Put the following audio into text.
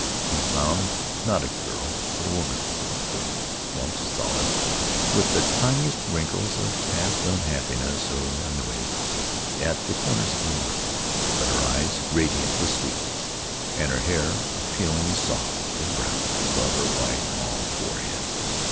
He found, not a girl, but a woman of thirty, plump, solid, with the tiniest wrinkles of past unhappiness or ennui at the corners of her mouth; but her eyes radiant with sweetness, and her hair appealingly soft and brown above her wide, calm forehead.